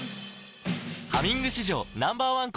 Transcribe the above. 「ハミング」史上Ｎｏ．１抗菌